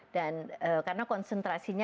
dan karena konsentrasi banyak